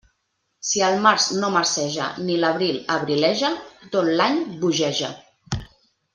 Si el març no marceja ni l'abril abrileja, tot l'any bogeja.